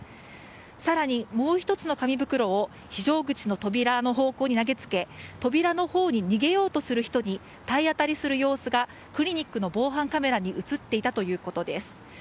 さらに、もう１つの紙袋を非常口の扉の方向に投げつけ扉の方に逃げようとする人に体当たりする様子がクリニックの防犯カメラに写っていたということです。